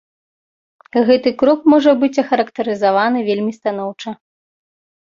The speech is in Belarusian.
Гэты крок можа быць ахарактарызаваны вельмі станоўча.